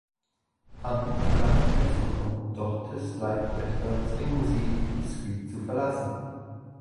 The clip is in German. Ann verlangt mitzukommen, doch Tis' Leibwächter zwingen sie, die Suite zu verlassen.